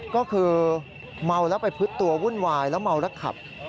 ก็คือเมาแล้วไปพึดตัววุ่นวายแล้วเมาแล้วขับ